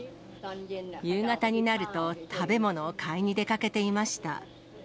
夕方になると、食べ物を買いに出かけていました。